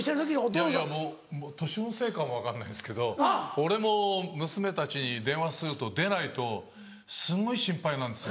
いやいや年のせいかも分かんないんですけど俺も娘たちに電話すると出ないとすごい心配なんですよ。